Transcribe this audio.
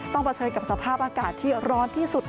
เผชิญกับสภาพอากาศที่ร้อนที่สุด